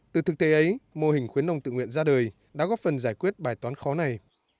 từ thực tế ấy mô hình khuyến nông tự nguyện ra đời đã góp phần giải quyết bài toán khó này